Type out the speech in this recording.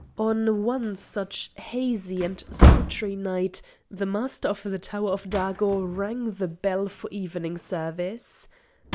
On one such hazy and sultry night the Master of the Tower of Dago rang the bell for evening "service."